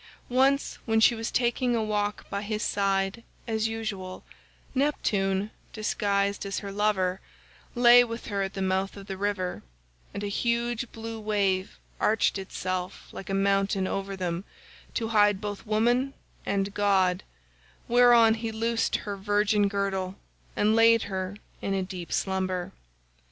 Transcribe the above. Once when she was taking a walk by his side as usual, Neptune, disguised as her lover, lay with her at the mouth of the river, and a huge blue wave arched itself like a mountain over them to hide both woman and god, whereon he loosed her virgin girdle and laid her in a deep slumber.